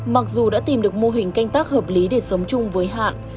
mặc dù đã tìm được mô hình canh tác hợp lý để sống chung với hạn